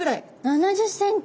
７０ｃｍ。